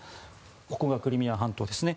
ここがクリミア半島ですね。